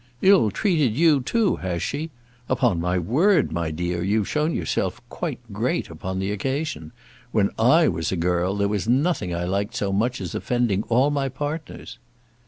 "Ill treated you, too, has she? Upon my word, my dear, you've shown yourself quite great upon the occasion. When I was a girl, there was nothing I liked so much as offending all my partners."